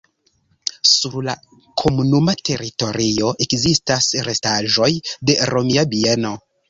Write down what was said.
Sur la komunuma teritorio ekzistas restaĵoj de romia bieno.